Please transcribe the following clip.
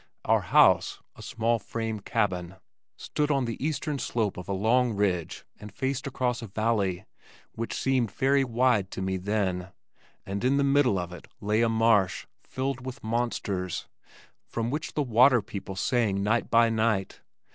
Our house, a small frame cabin, stood on the eastern slope of a long ridge and faced across a valley which seemed very wide to me then, and in the middle of it lay a marsh filled with monsters, from which the Water People sang night by night.